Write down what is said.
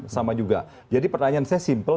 sama juga jadi pertanyaan saya simpel